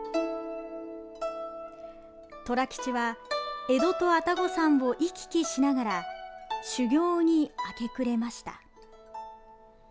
寅吉は、江戸と愛宕山を行き来しながら修行に明け暮れました。